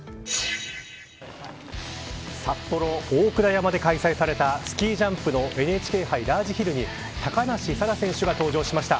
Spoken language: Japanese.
札幌大倉山で開催されたスキージャンプのＮＨＫ杯ラージヒルに高梨沙羅選手が登場しました。